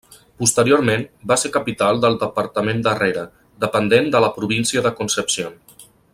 Posteriorment, va ser capital del Departament de Rere, dependent de la província de Concepción.